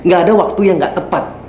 gak ada waktu yang nggak tepat